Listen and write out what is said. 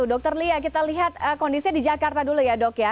dokter lia kita lihat kondisinya di jakarta dulu ya dok ya